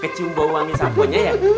kecium bau wangi sapunya ya